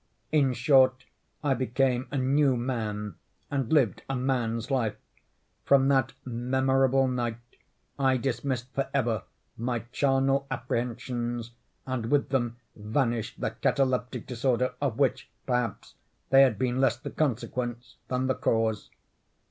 In short, I became a new man, and lived a man's life. From that memorable night, I dismissed forever my charnel apprehensions, and with them vanished the cataleptic disorder, of which, perhaps, they had been less the consequence than the cause.